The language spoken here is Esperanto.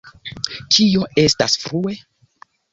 Kio estas »frue«?